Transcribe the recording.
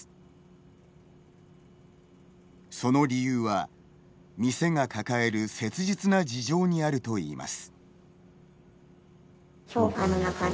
その理由は店が抱える切実な事情にあるといいます。